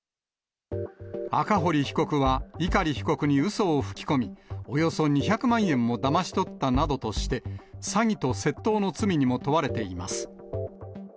赤堀被告は碇被告にうそを吹き込み、およそ２００万円をだまし取ったなどとして、詐欺と窃盗の罪にも問われています。